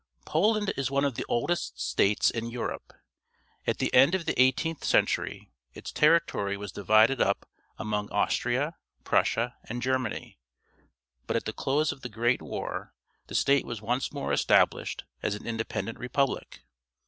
— Poland is one of the oldest states in Europe. At the end of the eighteenth centurj' its territory was divided up among Austria, Prussia, and German}^, but at the close of the Great War the state was once more estabhshed as an independent republic.